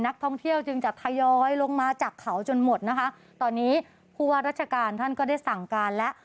นักท่องเที่ยวจึงจะทยอยลงมาจากเขาจนหมดนะคะตอนนี้ผู้ว่าราชการท่านก็ได้สั่งการแล้ว